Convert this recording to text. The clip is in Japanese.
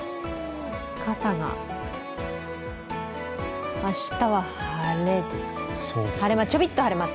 傘が、明日は晴れです。